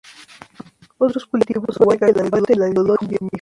Otros cultivos son el cacahuete, el algodón, y el mijo.